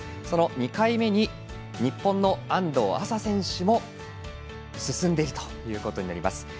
その２回目に日本の安藤麻選手も進んでいることになります。